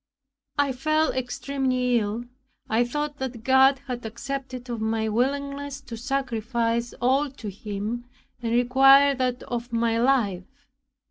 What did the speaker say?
I fell extremely ill. I thought that God had accepted of my willingness to sacrifice all to him, and required that of my life.